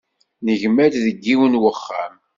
Negma-d deg yiwen uxxam